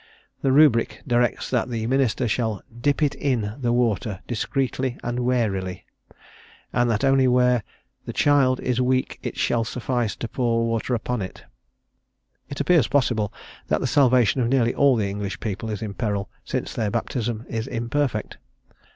The rubric directs that the minister "shall dip it in the water discreetly and warily," and that only where "the child is weak it shall suffice to pour water upon it" It appears possible that the salvation of nearly all the English people is in peril, since their baptism is imperfect.